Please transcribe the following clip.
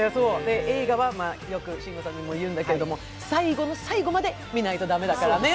映画はよく慎吾さんにも言うんだけど、最後の最後まで見ないと駄目だからね。